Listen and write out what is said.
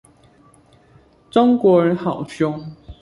中國人好兇